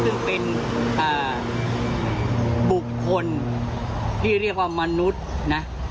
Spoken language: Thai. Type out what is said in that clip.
ซึ่งเป็นบุคคลที่เรียกว่ามนุษย์นะ